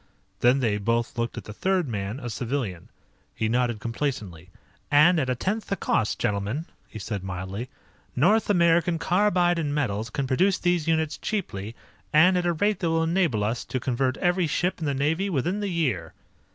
Then they both looked at the third man, a civilian. He nodded complacently. "And at a tenth the cost, gentlemen," he said mildly. "North American Carbide & Metals can produce these units cheaply, and at a rate that will enable us to convert every ship in the Navy within the year."